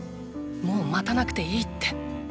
もう待たなくてイイって。